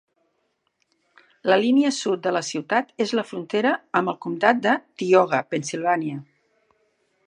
La línia sud de la ciutat és la frontera amb el comtat de Tioga, Pennsylvania.